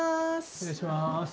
失礼します。